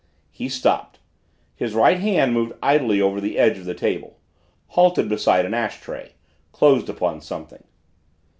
He stopped. His right hand moved idly over the edge of the table halted beside an ash tray closed upon something.